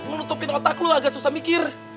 menutupin otak lo agak susah mikir